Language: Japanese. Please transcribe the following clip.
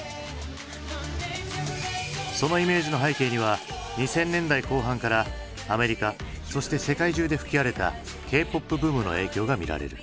そのイメージの背景には２０００年代後半からアメリカそして世界中で吹き荒れたＫ−ＰＯＰブームの影響が見られる。